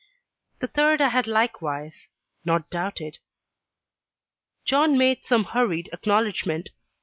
"The third I had likewise not doubted." John made some hurried acknowledgment.